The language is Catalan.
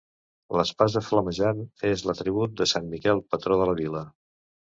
L'espasa flamejant és l'atribut de sant Miquel, patró de la vila.